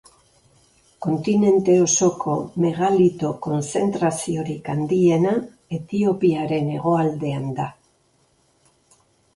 Kontinente osoko megalito konzentraziorik handiena Etiopiaren hegoaldean da.